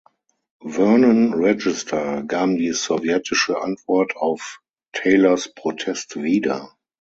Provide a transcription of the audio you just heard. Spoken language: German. Vernon Register gaben die sowjetische Antwort auf Taylors Protest wieder.